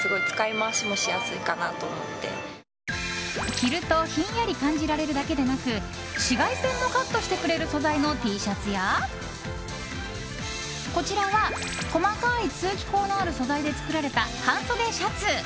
着るとひんやり感じられるだけでなく紫外線もカットしてくれる素材のＴシャツやこちらは細かい通気孔のある素材で作られた半袖シャツ。